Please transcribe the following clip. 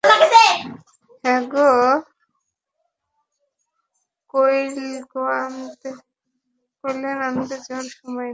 হ্যাগো কাইলগো আইতে কইতেন, আনতে যাওয়ার সময় নাই।